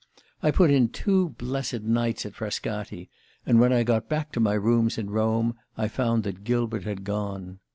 I put in two blessed nights at Frascati, and when I got back to my rooms in Rome I found that Gilbert had gone